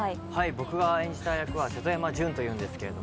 僕が演じた役は瀬戸山潤というんですけど